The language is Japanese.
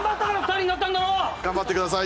頑張ってください。